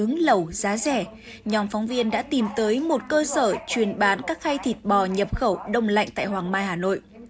trong vai một người đang tìm nhà cung cấp thịt bò nhập khẩu giá rẻ nhóm phóng viên đã tìm tới một cơ sở chuyên bán các khay thịt bò nhập khẩu đông lạnh tại hoàng mai hà nội